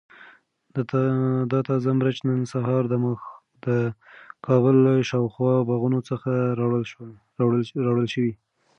دا تازه مرچ نن سهار د کابل له شاوخوا باغونو څخه راوړل شوي.